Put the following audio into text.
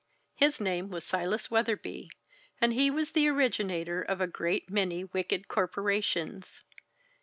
His name was Silas Weatherby, and he was the originator of a great many Wicked Corporations.